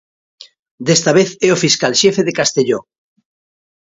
Desta vez é o fiscal xefe de Castelló.